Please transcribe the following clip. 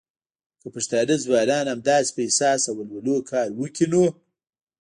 که پښتانه ځوانان همداسې په احساس او ولولو کار وکړی نو